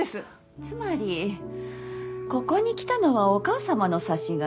つまりここに来たのはお母様の差し金？